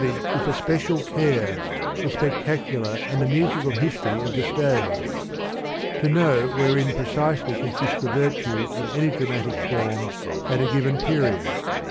ied with especial care the spectacular and the musical history of the stage : to know, wherein precisely consists the virtue of any dramatic form, at a given period.